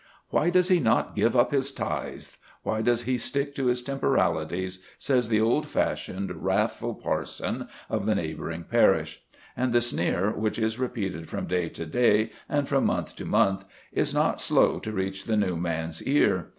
"Why does he not give up his tithes? Why does he stick to his temporalities?" says the old fashioned, wrathful parson of the neighbouring parish; and the sneer, which is repeated from day to day and from month to month, is not slow to reach the new man's ear.